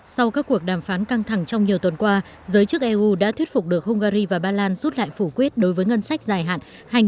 sau các cuộc đàm phán căng thẳng trong nhiều tuần qua giới chức eu đã thuyết phục được hungary và ba lan rút lại phủ quyết đối với ngân sách dài hạn hai nghìn một mươi một hai nghìn hai mươi